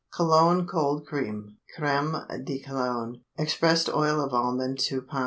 COLOGNE COLD CREAM (CRÊME DE COLOGNE). Expressed oil of almond 2 lb.